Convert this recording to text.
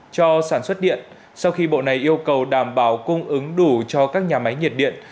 cho sản xuất điện sau khi bộ này yêu cầu đảm bảo cung ứng đủ cho các nhà máy nhiệt điện